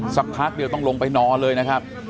สักพักเดียวต้องลงไปนอนเลยนะครับ